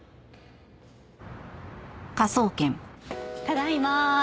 ただいま。